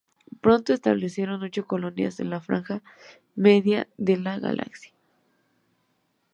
Pronto establecieron ocho colonias en la "Franja Media" de la galaxia.